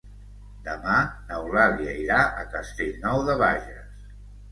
Demà n'Eulàlia irà a Castellnou de Bages.